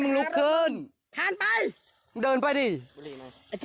ประเภทประเภทประเภท